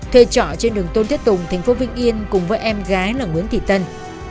thuê trọ trên đường tôn thiết tùng thành phố vĩnh yên cùng với em gái là nguyễn thị tân